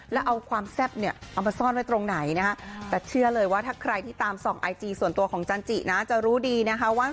ก็เก่งนะแล้วก็โพสต์ทาเซ็กซี่ก็เก่งด้วย